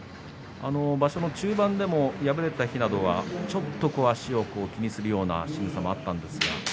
場所の中盤でも敗れた日などはちょっと足を気にするようなしぐさもありました。